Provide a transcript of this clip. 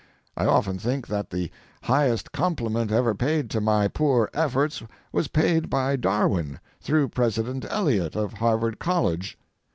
I often think that the highest compliment ever paid to my poor efforts was paid by Darwin through President Eliot, of Harvard College.